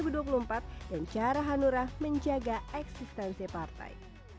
dan cara hanura menjaga eksistensi partai